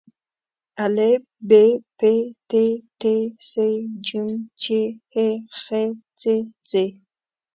ا ب پ ت ټ ث ج چ ح خ څ ځ